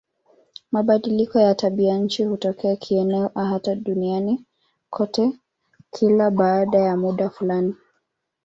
Mabadiliko ya tabianchi hutokea kieneo au hata duniani kote kila baada ya muda fulani.